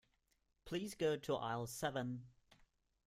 Please go to aisle seven.